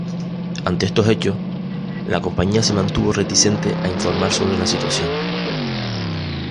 Ante estos hechos, la compañía se mantuvo reticente a informar sobre la situación.